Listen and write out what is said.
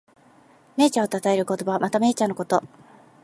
銘茶をたたえる言葉。また、銘茶のこと。